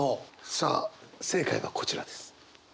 さあ正解はこちらです。